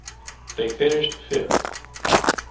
They finished fifth.